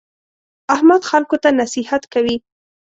احمد خلکو ته نصیحت کوي.